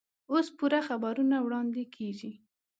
اوس پوره خبرونه واړندې کېږي.